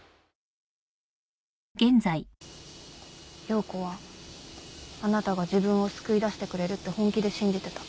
葉子はあなたが自分を救い出してくれるって本気で信じてた。